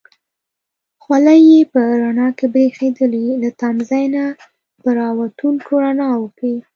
خولۍ یې په رڼا کې برېښېدلې، له تمځای نه په را وتونکو رڼاوو کې.